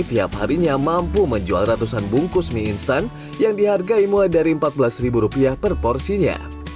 tiap harinya mampu menjual ratusan bungkus mie instan yang dihargai mulai dari rp empat belas per porsinya